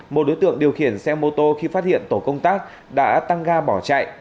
một đối tượng điều khiển xe mô tô khi phát hiện tổ công tác đã tăng ga bỏ chạy